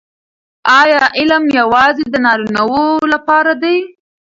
آیا علم یوازې د نارینه وو لپاره دی؟